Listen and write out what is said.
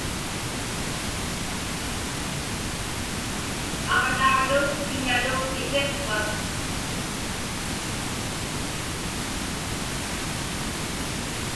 Aġnaġlu kiñalu isiqpak?